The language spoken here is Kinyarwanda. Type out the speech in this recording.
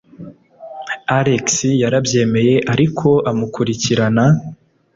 Alex yarabyemeye, ariko amukurikirana.